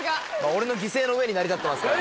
俺の犠牲の上に成り立ってますから。